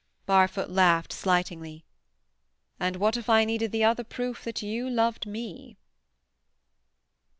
Barfoot laughed slightingly. "And what if I needed the other proof that you loved me."